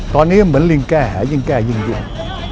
ตอนนี้เหมือนลิงแก้แหยิ่งแก้ยิ่งยว